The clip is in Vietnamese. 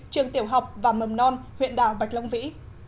trường tiểu học và mầm non huyện đảo bạch long vĩ